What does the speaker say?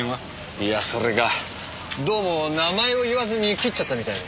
いやそれがどうも名前を言わずに切っちゃったみたいで。